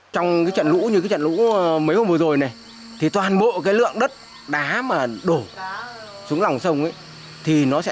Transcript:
trong trận lũ như trận lũ mấy hôm vừa rồi này toàn bộ lượng đất đá mà đổ xuống lòng sông thì nó sẽ